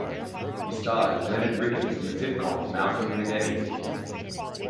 He starred as "Leonard Rickets" in the sitcom "Malcolm and Eddie".